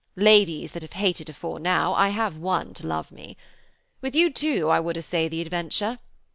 Ladies that have hated afore now, I have won to love me. With you, too, I would essay the adventure.